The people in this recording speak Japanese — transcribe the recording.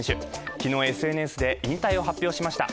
昨日、ＳＮＳで引退を発表しました。